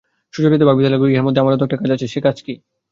সুচরিতা ভাবিতে লাগিল, ইহার মধ্যে আমারও তো একটা কাজ আছে–সে কাজ কী?